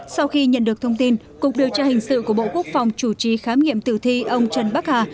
sau khi nhận được thông tin cục điều tra hình sự của bộ quốc phòng chủ trì khám nghiệm tử thi ông trần bắc hà